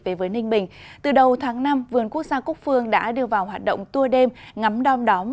về với ninh bình từ đầu tháng năm vườn quốc gia cúc phương đã đưa vào hoạt động tua đêm ngắm đom đóm